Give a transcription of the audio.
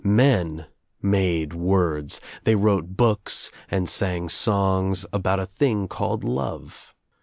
Men made words, they wrote books and sang songs about a thing called love.